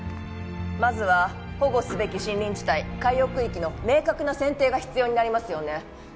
まずは保護すべき森林地帯海洋区域の明確な選定が必要になりますよねで